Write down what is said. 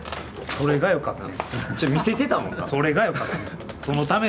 それがよかった。